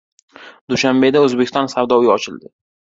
Dushanbeda O‘zbekiston Savdo uyi ochildi